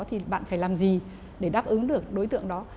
thì bạn phải làm gì để đáp ứng được đối tượng đó